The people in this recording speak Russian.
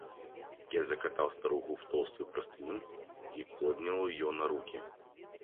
Я закатал старуху в толстую простыню и поднял ее на руки.